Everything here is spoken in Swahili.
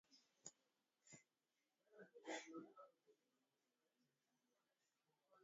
viherehere hupenda kurukia ndani ya mto huo na